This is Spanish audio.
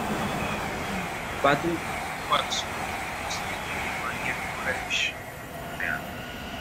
Patrick Watson estudió música en el Vanier College en Montreal.